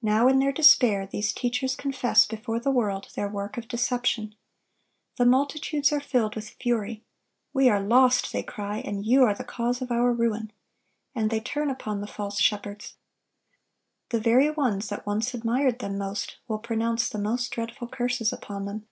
Now, in their despair, these teachers confess before the world their work of deception. The multitudes are filled with fury. "We are lost!" they cry, "and you are the cause of our ruin;" and they turn upon the false shepherds. The very ones that once admired them most, will pronounce the most dreadful curses upon them.